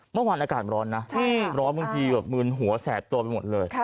เมื่อวานอากาศร้อนนะร้อนบางทีแบบมืนหัวแสบตัวไปหมดเลย